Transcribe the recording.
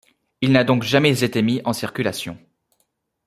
Il n'a donc jamais été mis en circulation.